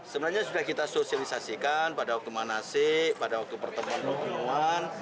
sebenarnya sudah kita sosialisasikan pada waktu manasik pada waktu pertemuan pertemuan